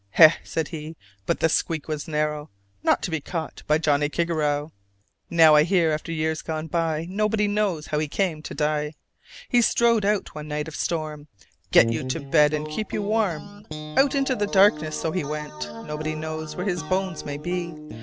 "Heh!" said, he, "but the squeak was narrow, Not to be caught by Johnnie Kigarrow!" Now, I hear, after years gone by, Nobody knows how he came to die. He strode out one night of storm: "Get you to bed, and keep you warm!" Out into darkness so went he: Nobody knows where his bones may be.